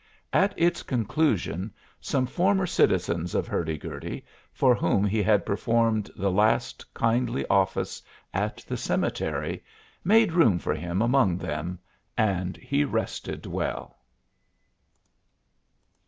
At its conclusion some former citizens of Hurdy Gurdy, for whom he had performed the last kindly office at the cemetery, made room for him among them, and he rested well.